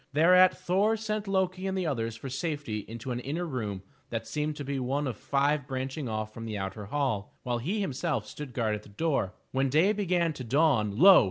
Thereat Thor sent Loki and the others for safety into an inner room that seemed to be one of five branching off from the outer hall, while he himself stood guard at the door. When day began to dawn, lo!